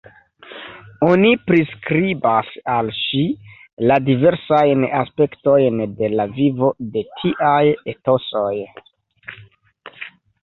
Oni priskribas al ŝi la diversajn aspektojn de la vivo de tiaj etosoj.